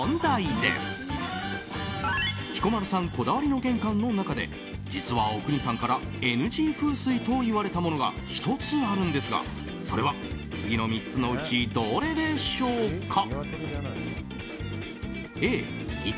こだわりの玄関の中で実は阿国さんからＮＧ風水と言われたものが１つあるんですがそれは次の３つのうちどれでしょうか。